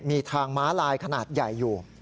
มีทางม้าลายขนาดใหญ่อยู่